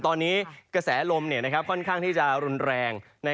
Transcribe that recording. ตอนนี้กระแสลมค่อนข้างที่จะรุนแรง